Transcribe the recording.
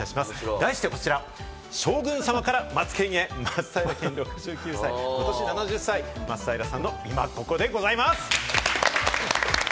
題してこちら、将軍様からマツケンへ、松平健６９歳、ことし７０歳、松平さんのイマココでございます！